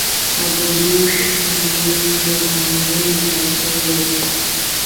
ابجوش ممیز ځانګړې طریقه لري.